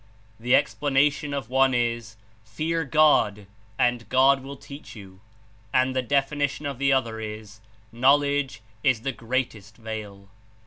The explanation of one Is — 'Fear God, and God will teach you,' and the definition of the other Is — 'Knowledge Is the great est veil.'